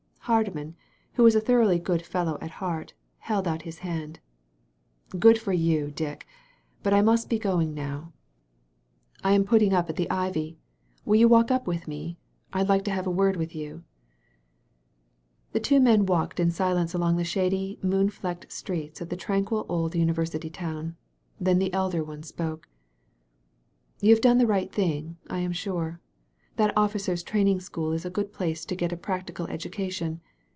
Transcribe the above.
'* Hardman, who was a thoroughly good fellow at heart, held out his hand. " Good for you, Dick ! But I must be going now. 203 THE VALLEY OF VISION I am putting up at the Ivy. Will you walk up with me? Fd like to have a word with you/* The two men walked in silence along the shady, moon flecked streets of the tranquil old university town. Then the elder one spoke. "You have done the right thing, I am sure. That officers' training school is a good place to g^t a prac tical education.